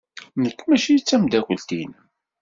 Nekk maci d tameddakelt-nnem.